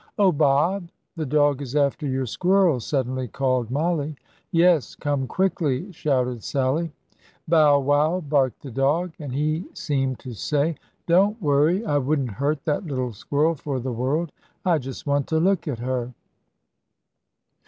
"Oh, Bob! The dog is after your squirrel!" suddenly called Mollie. "Yes, come quickly!" shouted Sallie. "Bow wow!" barked the dog. And he seemed to say: "Don't worry! I wouldn't hurt that little squirrel for the world. I just want to look at her."